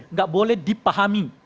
nggak boleh dipahami